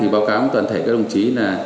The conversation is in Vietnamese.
báo cáo toàn thể các đồng chí